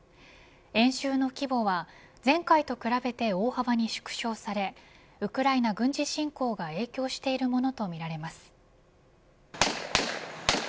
演習の規模は前回と比べて大幅に縮小されウクライナ軍事侵攻が影響しているものとみられます。